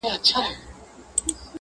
o سردونو ویښ نه کړای سو.